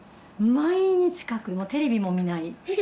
毎日描く、もうテレビも見ない。